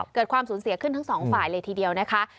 เกิดความสูญเสียขึ้นทั้งสองฝ่ายเลยทีเดียวนะคะ